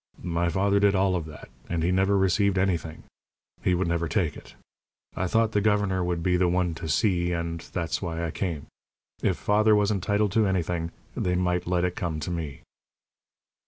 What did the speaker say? My father did all of that, and he never received anything. He never would take it. I thought the governor would be the one to see, and that's why I came. If father was entitled to anything, they might let it come to me."